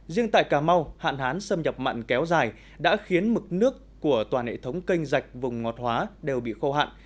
riêng tại cà mau hạn hán xâm nhập mặn kéo dài đã khiến mực nước của toàn hệ thống canh dạch vùng ngọt hóa đều bị khô hạn